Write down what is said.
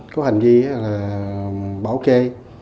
có hành vi là bảo kê